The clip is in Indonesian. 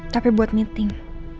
tapi buat meeting